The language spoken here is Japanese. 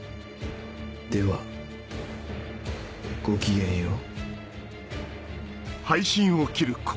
ではごきげんよう。